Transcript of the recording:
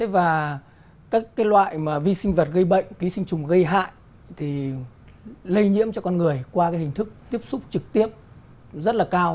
và các loại vi sinh vật gây bệnh sinh trùng gây hại thì lây nhiễm cho con người qua hình thức tiếp xúc trực tiếp rất là cao